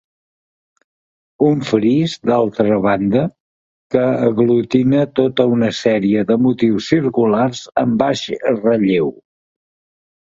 Un fris d'altra banda, que aglutina tota una sèrie de motius circulars en baix relleu.